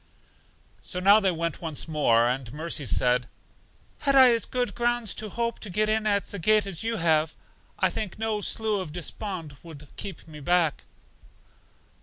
So now they went on once more, and Mercy said, Had I as good grounds to hope to get in at the gate as you have, I think no Slough Of Despond would keep me back.